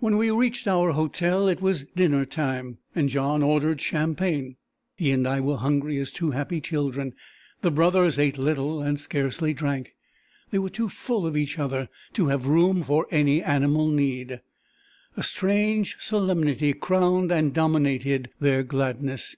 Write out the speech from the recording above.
When we reached our hotel, it was dinner time, and John ordered champagne. He and I were hungry as two happy children; the brothers ate little, and scarcely drank. They were too full of each other to have room for any animal need. A strange solemnity crowned and dominated their gladness.